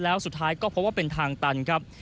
แล้วสุดท้ายก็พบว่าเป็นทางตันครับ